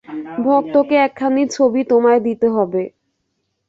ভক্তকে একখানি ছবি তোমায় দিতে হবে।